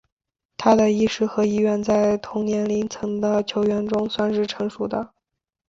他的意识和意愿在同年龄层的球员中算是成熟的。